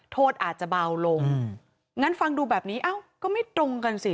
โทษอาจจะเบาลงงั้นฟังดูแบบนี้เอ้าก็ไม่ตรงกันสิ